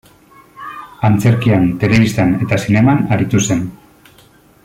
Antzerkian, telebistan eta zineman aritu zen.